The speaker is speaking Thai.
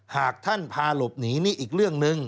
หากท่านพาหลบหนีนี่อีกเรื่องหนึ่ง